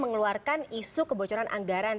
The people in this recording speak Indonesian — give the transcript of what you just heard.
mengeluarkan isu kebocoran anggaran